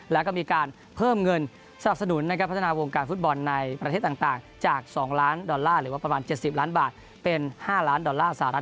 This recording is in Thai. แล้วก็มีการเพิ่มเงินสนับสนุนนะครับพัฒนาวงการฟุตบอลในประเทศต่างจาก๒ล้านดอลลาร์หรือว่าประมาณ๗๐ล้านบาทเป็น๕ล้านดอลลาร์สหรัฐ